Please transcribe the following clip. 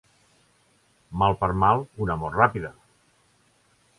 Mal per mal, una mort ràpida.